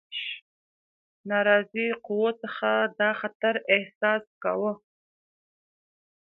ناراضي قواوو څخه د خطر احساس کاوه.